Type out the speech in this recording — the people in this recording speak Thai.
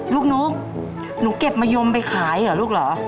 ลูกนุ๊กหนูเก็บมะยมไปขายเหรอลูกเหรอ